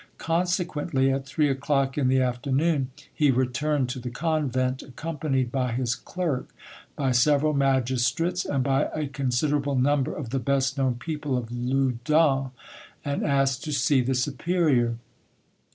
Consequently, at three o'clock in the afternoon, he returned to the convent, accompanied by his clerk, by several magistrates, and by a considerable number of the best known people of Loudun, and asked to see the superior.